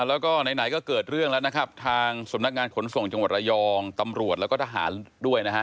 แล้วก็ไหนก็เกิดเรื่องแล้วนะครับทางสำนักงานขนส่งจังหวัดระยองตำรวจแล้วก็ทหารด้วยนะฮะ